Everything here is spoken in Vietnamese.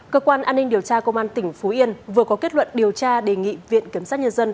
cơ quan an ninh điều tra công an tỉnh phú yên vừa có kết luận điều tra đề nghị viện kiểm sát nhân dân